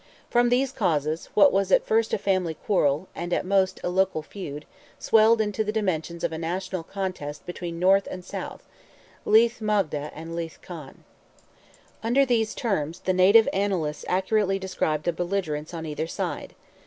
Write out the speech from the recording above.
From these causes, what was at first a family quarrel, and at most a local feud, swelled into the dimensions of a national contest between North and South—Leath Moghda and Leath Conn. Under these terms, the native Annalists accurately describe the belligerents on either side.